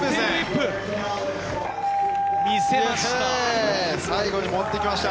見せました。